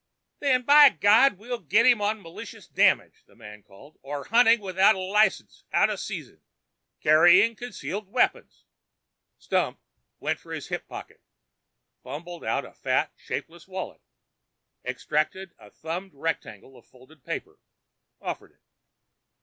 "Then, by God, we'll get him for malicious damage," a man called. "Or hunting without a license out of season!" " carrying concealed weapons!" Stump went for his hip pocket, fumbled out a fat, shapeless wallet, extracted a thumbed rectangle of folded paper, offered it.